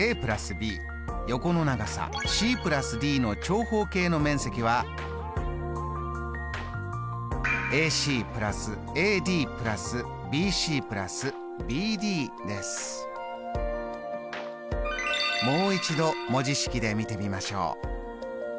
ｂ横の長さｃ＋ｄの長方形の面積はもう一度文字式で見てみましょう。